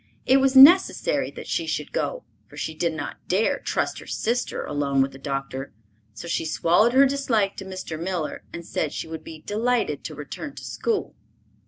It was necessary that she should go, for she did not dare trust her sister alone with the doctor; so she swallowed her dislike to Mr. Miller, and said she should be delighted to return to school.